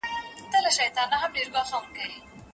پنډي کولای سي په اوږه باندي ګڼ توکي راوړي.